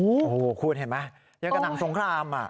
โอ้โหคุณเห็นไหมยังกำลังสงครามอะ